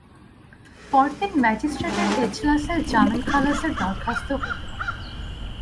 পরদিন ম্যাজিস্ট্রেটের এজলাসে জামিন-খালাসের দরখাস্ত হইল।